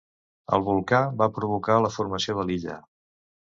El volcà va provocar la formació de l'illa.